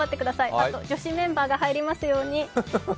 あと女子メンバーが入りますように。